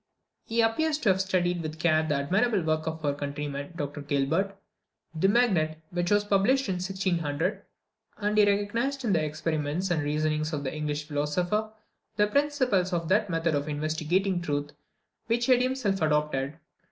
He appears to have studied with care the admirable work of our countryman, Dr Gilbert, "De Magnete," which was published in 1600; and he recognised in the experiments and reasonings of the English philosopher the principles of that method of investigating truth which he had himself adopted.